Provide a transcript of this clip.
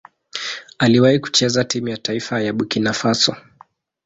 Aliwahi kucheza timu ya taifa ya Burkina Faso.